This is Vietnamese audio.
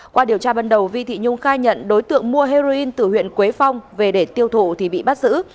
qua điều tra ban đầu vi thị nhung khai nhận đối tượng mua heroin từ huyện quế phong về để tiêu thụ thì bị bắt giữ